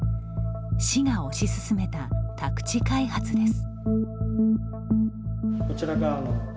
市が推し進めた宅地開発です。